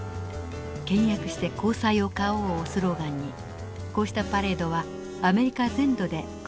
「倹約して公債を買おう」をスローガンにこうしたパレードはアメリカ全土で繰り広げられました。